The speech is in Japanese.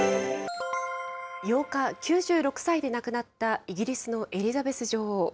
８日、９６歳で亡くなったイギリスのエリザベス女王。